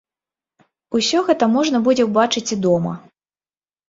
Усё гэта можна будзе ўбачыць і дома.